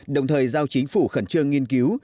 đồng thời giao chính phủ khẩn trương nghiên cứu